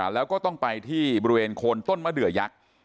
แล้วก็ต้องไปที่บริเวณโคนต้นมะเดือยักษ์